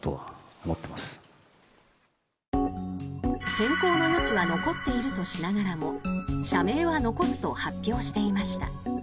変更の余地は残っているとしながらも社名は残すと発表していました。